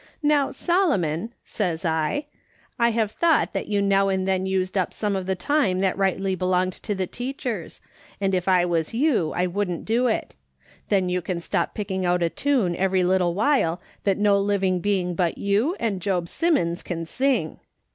' Now, Solomon,' says I, * I have thought that you now and then used up some of the time that rightly belonged to the teachers, and, if I was you, I wouldn't do it. Then you can stop picking out a tune every little while that no living being but you and Job Simmons can sing.